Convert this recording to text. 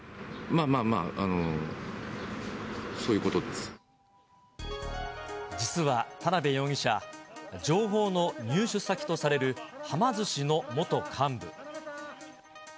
まあまあまあ、あのー、実は田辺容疑者、情報の入手先とされるはま寿司の元幹部。